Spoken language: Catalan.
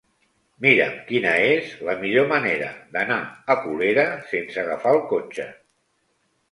Mira'm quina és la millor manera d'anar a Colera sense agafar el cotxe.